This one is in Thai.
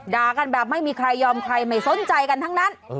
กันแบบไม่มีใครยอมใครไม่สนใจกันทั้งนั้น